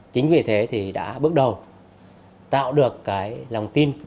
chính vì thế thì đã bước đầu tạo được cái lòng tin